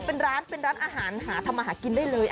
เป็นร้านอาหารทำอาหารกินได้เลย